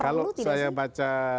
kalau saya baca